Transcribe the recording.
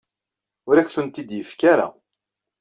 Ur ak-tent-id-yefki ara.